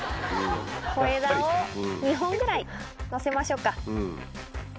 小枝を２本ぐらい乗せましょうか。